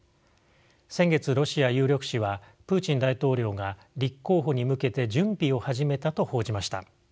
先月ロシア有力紙はプーチン大統領が立候補に向けて準備を始めたと報じました。